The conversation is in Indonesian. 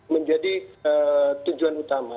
menjadi tujuan utama